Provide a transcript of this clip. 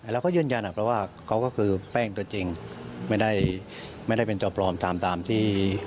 แล้วก็ยืนยันอะเพราะว่าเขาก็คือแป้งตัวจริงไม่ได้ไม่ได้เป็นตัวปลอมตามตามที่